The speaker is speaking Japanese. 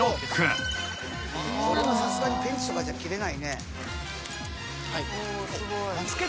これはさすがにペンチとかじゃ切れないね。